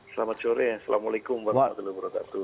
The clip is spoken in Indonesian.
selamat sore assalamualaikum warahmatullahi wabarakatuh